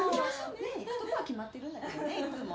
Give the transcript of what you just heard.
ねえ行くとこは決まってるんだけどねいつも。